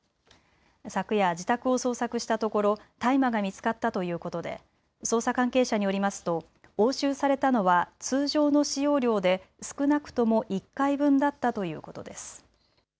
昨夜、自宅を捜索したところ大麻が見つかったということで捜査関係者によりますと押収されたのは通常の使用量で少なくとも１回分だったということです。